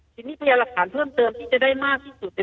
ที่นี้พยารถศาสนถือมเติมที่ได้มากที่สุดคือ